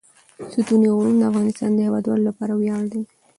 ستوني غرونه د افغانستان د هیوادوالو لپاره ویاړ دی.